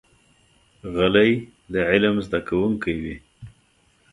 غلی، د علم زده کوونکی وي.